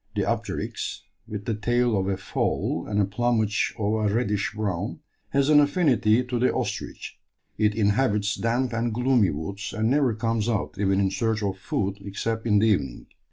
The apteryx, with the tail of a fowl and a plumage of a reddish brown, has an affinity to the ostrich; it inhabits damp and gloomy woods, and never comes out even in search of food except in the evening.